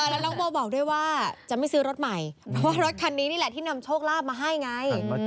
แล้วน้องโบบอกด้วยว่าจะไม่ซื้อรถใหม่เพราะว่ารถคันนี้นี่แหละที่นำโชคลาภมาให้ไง